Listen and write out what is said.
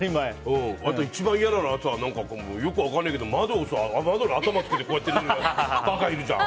あと、一番嫌なのはよく分からないけど窓に頭つけてこうやる馬鹿いるじゃん。